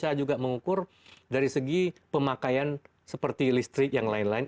kita juga mengukur dari segi pemakaian seperti listrik yang lain lain